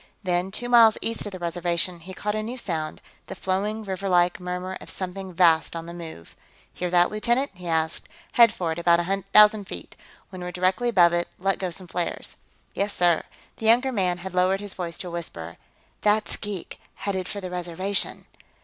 Then, two miles east of the Reservation, he caught a new sound the flowing, riverlike, murmur of something vast on the move. "Hear that, lieutenant?" he asked. "Head for it, at about a thousand feet. When we're directly above it, let go some flares." "Yes, sir." The younger man had lowered his voice to a whisper. "That's geek, headed for the Reservation."